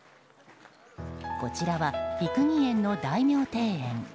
こちらは六義園の大名庭園。